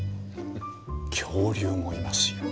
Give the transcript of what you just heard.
恐竜もいますよ。